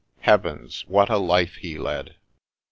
— Heavens, what a life he led